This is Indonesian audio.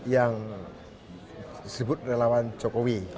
yang disebut relawan jokowi